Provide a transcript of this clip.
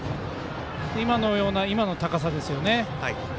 今のような高さですよね。